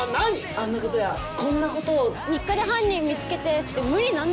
あんなことやこんなことを３日で犯人見つけて無理難題ですよね